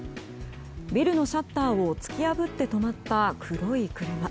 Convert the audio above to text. ビルのシャッターを突き破って止まった黒い車。